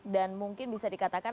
dan mungkin bisa dikatakan